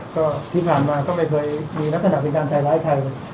ก็ที่ผ่านมาก็ไม่เคยมีลักษณะเป็นการใส่ร้ายใคร